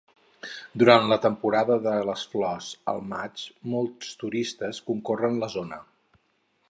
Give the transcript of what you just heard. Durant la temporada de les flors al maig molts turistes concorren la zona.